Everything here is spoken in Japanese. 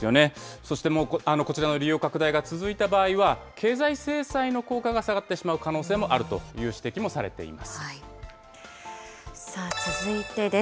そしてこちらの利用拡大が続いた場合は、経済制裁の効果が下がってしまう可能性もあるという指摘さあ、続いてです。